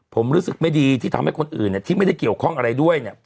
ผมรู้สึกไม่ดีที่ทำให้คนอื่นที่ไม่ได้เกี่ยวข้องอะไรด้วยเนี่ย